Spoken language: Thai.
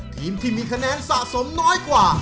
ทีมที่มีคะแนนสะสมน้อยกว่า